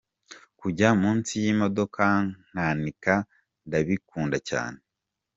Kujya munsi y’imodoka nkanika ndabikunda cyane.